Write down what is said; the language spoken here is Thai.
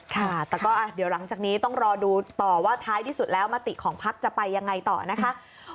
ค่ะแต่ก็เดี๋ยวหลังจากนี้ต้องรอดูต่อว่าท้ายที่สุดแล้วมติของพักจะไปยังไงต่อนะคะ